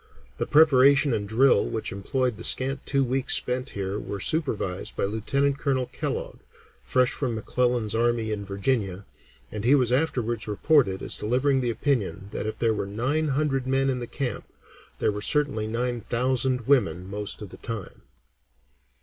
The preparation and drill which employed the scant two weeks spent here were supervised by Lieutenant Colonel Kellogg, fresh from McClellan's army in Virginia, and he was afterwards reported as delivering the opinion that if there were nine hundred men in the camp, there were certainly nine thousand women most of the time.